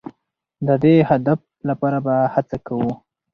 د دې هدف لپاره به هڅه کوو.